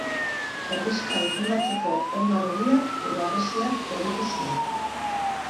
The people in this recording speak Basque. Herrixka defendatzeko horma lodiak edo harresiak eraiki ziren.